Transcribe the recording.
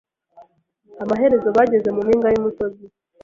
Amaherezo bageze mu mpinga y'umusozi.